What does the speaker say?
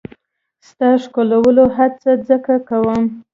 ستا ښکلولو هڅه ځکه کوم.